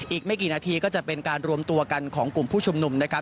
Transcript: อีกไม่กี่นาทีก็จะเป็นการรวมตัวกันของกลุ่มผู้ชุมนุมนะครับ